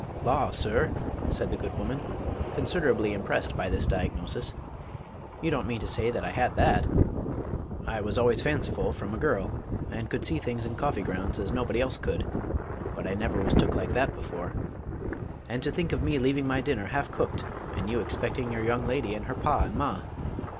'" "Law, sir!" said the good woman, considerably impressed by this diagnosis, "you don't mean to say I had that? I was always fanciful from a girl, and could see things in coffee grounds as nobody else could but I never was took like that before. And to think of me leaving my dinner half cooked, and you expecting your young lady and her pa and ma!